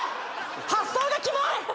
発想がキモい！